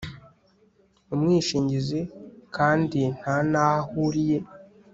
umwishingizi kandi nta n aho ahuriye